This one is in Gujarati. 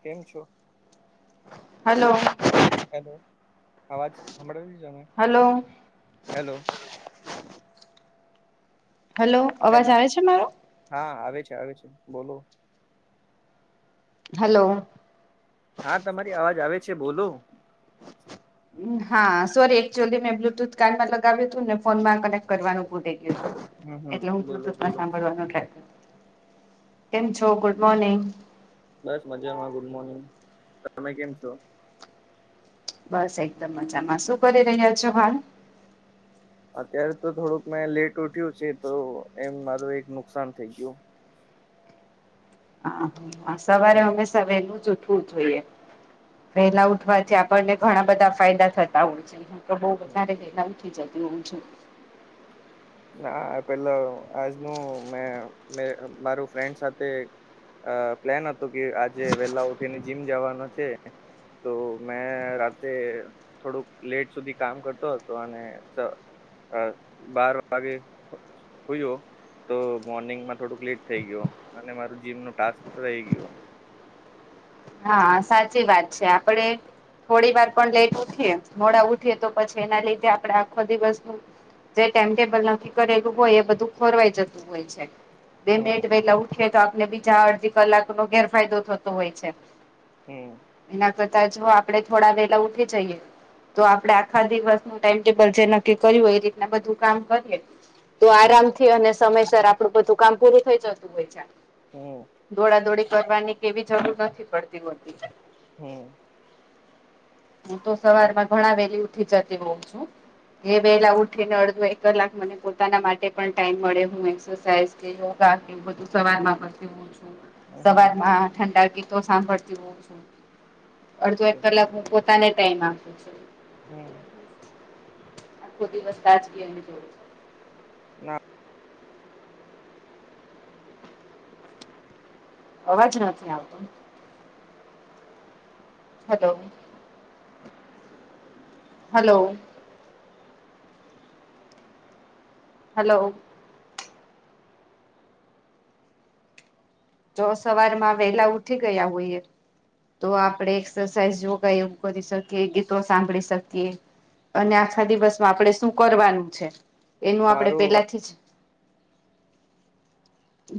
કેમ છો? હલો હેલો અવાજ [unintelligible] હાલો હેલો હલો અવાજ હેલો આવે છે મારો હા આવે છે આવે છે બોલો હાલો હા તમારી અવાજ આવે છે બોલો હા સોરી એકચુઅલી મેં બ્લુટુથ કાનમાં લગાવ્યું હતું ને ફોન માં કનેકટ કરવાનું ભૂલી ગયું હમ હમ એટલે હું બોલો બ્લુટૂથ બોલો સાંભડવાનું ટ્રાય કેમ છો ગુડ મોર્નિંગ બસ મજામાં ગુડ મોર્નિંગ તમે કેમ છો બસ એકદમ મજામાં શું કરી રહ્યા છો હાલ અત્યારે તો થોડુંક મેં લેટ ઉઠ્યું છે તો એમ મારું એક નુકસાન થઇ ગયું હા સવારે હમ હંમેશા વહેલું જ ઉઠવું જોઈએ. વેલા ઉઠવાથી આપણને ઘણા બધા ફાયદા થતા હોય છે. તો બો હમ. વધારે વેલા ઉઠી જતી હોય છે. ના પેલો આજનું મે મારું ફ્રેન્ડ સાથે અ પ્લેન હતું કે આજે વેલા ઉઠીને જીમ જવાનો છે. તો મેં રાતે થોડુંક લેટ સુધી કામ કરતો હતો અને બાર વાગે હુયો તો મોર્નિંગમાં થોડુંક લેટ થઈ ગય અને મારું જીમ નું ટાસ્ક રહી ગયું. હા સાચી વાત છે આપડે થોડી વાર પણ લેટ ઉઠીએ મોડા ઉઠીએ તો પછી એના લીધે આપડે આખો દિવસ નું જે ટાઈમટેબલ નથી કરેલું હોય એ બધું ખોરવાઈ જતું હોય છે. બે હમ મિનિટ પેલા ઉઠીએ તો આપને બીજા અડધી કલાકનોો ગેરફાયદો થતો હોય છે. હમ એના કરતા જો આપડે થોડા વેલા ઉઠી જઈએ તો આપડે આખા દિવસનું ટાઈમટેબલ જે નક્કી કર્યું હોય એ રીતના બધું કામ કરીએ. તો હમ આરામથી અને સમયસર આપડું બધુ કામ પૂરુ થઈ જતુ હોય છે. હું દોડાદોડી કરવાની કેવી જરૂર નથી પડતી હોતી હમ્મ. હું તો સવાર માં ઘણા વેલી ઉઠી જતી હોઉ છું. એ વહેલા ઉઠીને અડધો એક કલાક મને પોતાના માટે પણ ટાઈમ મળે એક્સાઇઝ કે યોગા સવાર માં પણ હમ હમ સવારમાં ઠંડા ગીતો સાંભળતી હોછું અડધો ઓકે એક કલાક તને ટાઈમ આપું છું. હમ્મ આખો દિવસ તાજગી એને જોડે ના અવાજ નથી, આવતો હલો-હલો હલો જો સવારમાં વેલા ઉઠી ગયા, હોયએ તો આપડણે એક્સરસાઇઝ જોગાય, એવુ કરી શકીએ ગીતો સાંભળી શકીએ અને આખા દિવસમાં આપણેે શું કરવાનું છે, એનુ આપડે મારું પેલાથી જ